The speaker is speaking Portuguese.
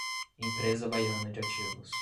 Empresa Baiana de Ativos